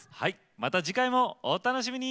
また次回もお楽しみに。